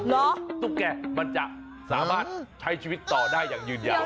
ตุ๊กแก่มันจะสามารถใช้ชีวิตต่อได้อย่างยืนยาว